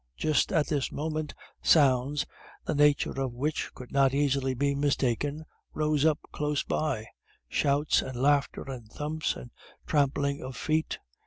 Just at this moment sounds, the nature of which could not easily be mistaken, rose up close by shouts and laughter and thumps and trampling of feet.